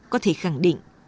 có thể khẳng định